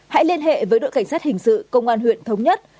hãy liên hệ với đội cảnh sát hình sự công an huyện thống nhất